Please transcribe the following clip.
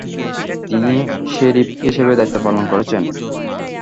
তিনি শেরিফ হিসেবে দায়িত্বপালন করেছেন।